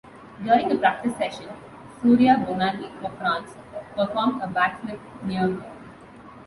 During a practice session, Surya Bonaly of France performed a back flip near her.